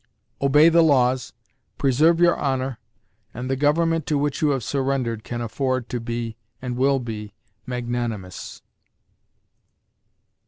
Obey the laws, preserve your honor, and the government to which you have surrendered can afford to be and will be magnanimous.